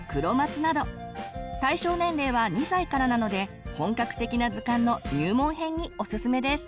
対象年齢は２歳からなので本格的な図鑑の入門編におすすめです。